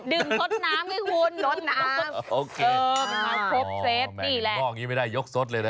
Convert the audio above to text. ดื่มสดน้ำไอ้คุณสดน้ำมาครบเซตนี่แหละมันไม่ได้ยกซดเลยนะ